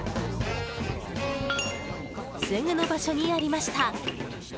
すぐの場所にありました。